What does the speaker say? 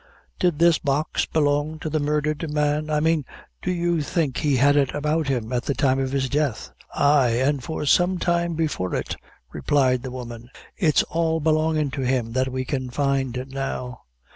"Did this Box belong to the murdhered man? I mane, do you think he had it about him at the time of his death?" "Ay, an' for some time before it," replied the woman. "It's all belongin' to him that we can find now."